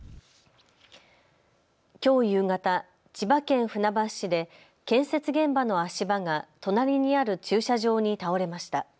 きょう夕方、千葉県船橋市で建設現場の足場が隣にある駐車場に倒れました。